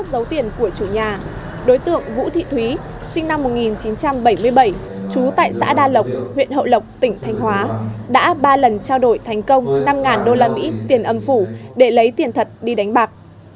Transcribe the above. lợi dụng lòng tin và biết chỗ cướp dấu tiền của chủ nhà đối tượng vũ thị thúy sinh năm một nghìn chín trăm bảy mươi bảy trú tại xã đa lộc huyện hậu lộc tỉnh thanh hóa đã ba lần trao đổi thành công năm usd tiền âm phủ để lấy tiền thật đi đánh bạc